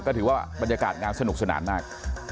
ก็ถือว่าบรรยากาศงานสนุกสนานมาก